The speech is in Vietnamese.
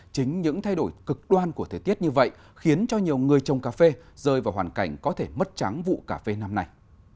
chính những thay đổi cực đoan của thời tiết như vậy khiến cho nhiều người trồng cà phê rơi vào hoàn cảnh có thể mất trắng vụ cà phê năm nay